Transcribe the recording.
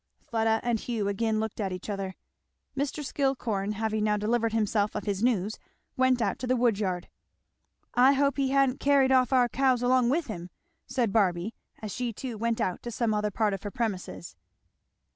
Fleda and Hugh again looked at each other. Mr. Skillcorn having now delivered himself of his news went out to the woodyard. "I hope he ha'n't carried off our cows along with him," said Barby, as she too went out to some other part of her premises.